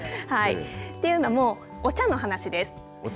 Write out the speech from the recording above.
というのも、お茶の話です。